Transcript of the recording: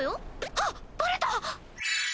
あっバレた！